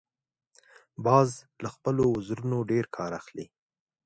باز له خپلو وزرونو ډیر کار اخلي